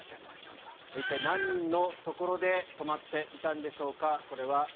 一体何人のところで止まっていたんでしょうか。